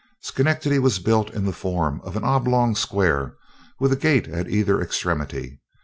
Schenectady was built in the form of an oblong square with a gate at either extremity.